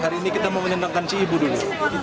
hari ini kita mau menenangkan si ibu dulu